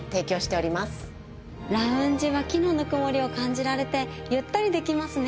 ラウンジは木のぬくもりを感じられてゆったりできますね。